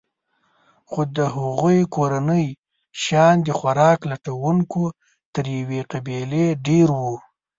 خو د هغوی کورنۍ شیان د خوراک لټونکو تر یوې قبیلې ډېر وو.